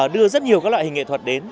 đưa rất nhiều các loại hình nghệ thuật đến